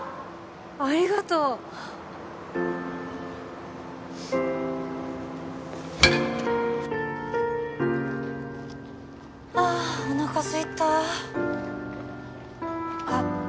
ありがとうああおなかすいたあっ